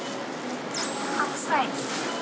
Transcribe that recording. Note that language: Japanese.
白菜。